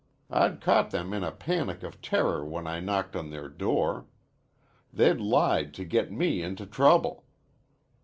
I'd caught them in a panic of terror when I knocked on their door. They'd lied to get me into trouble.